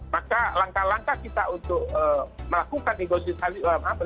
maka langkah langkah kita untuk melakukan negosiasi